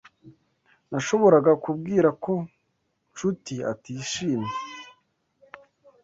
Nashoboraga kubwira ko Nshuti atishimye.